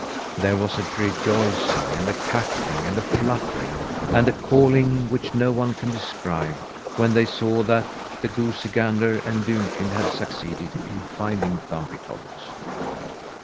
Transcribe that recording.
There was a rejoicing, and a cackling, and a fluttering, and a calling which no one can describe, when they saw that the goosey gander and Dunfin had succeeded in finding Thumbietot.